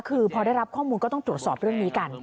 คือพอได้รับข้อมูลก็ต้องตรวจสอบเรื่องนี้กัน